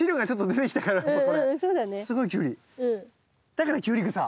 だからキュウリグサ。